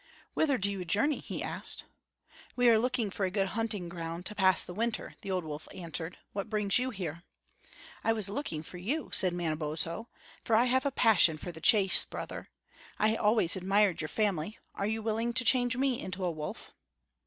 "Whither do you journey?" he asked. "We are looking for a good hunting ground to pass the winter," the old wolf answered. "What brings you here?" "I was looking for you," said Manabozho. "For I have a passion for the chase, brother. I always admired your family; are you willing to change me into a wolf?"